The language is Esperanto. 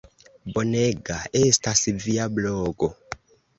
Bonega estas via blogo.